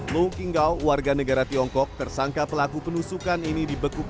lu kingau warga negara tiongkok tersangka pelaku penusukan ini dibekuk